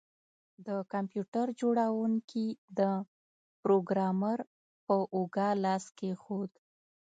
د کمپیوټر جوړونکي د پروګرامر په اوږه لاس کیښود